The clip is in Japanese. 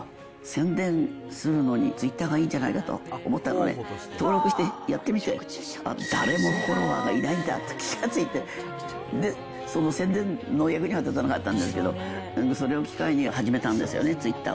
宣伝するのにツイッターがいいんじゃないかと思ったのね、登録してやってみて、誰もフォロワーがいないって気が付いて、その宣伝の役には立たなかったんだけど、それを機会に始めたんですよね。